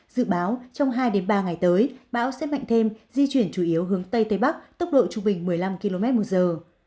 dự báo trong hai ba ngày tới bão sẽ mạnh thêm di chuyển chủ yếu hướng tây tây bắc tốc độ trung bình một mươi năm km một giờ